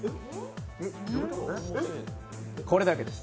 これだけです。